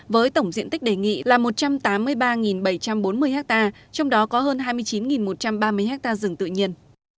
với tổng diện tích đề nghị là một trăm tám mươi ba bảy trăm bốn mươi ha trong đó có hơn hai mươi chín một trăm ba mươi ha rừng tự nhiên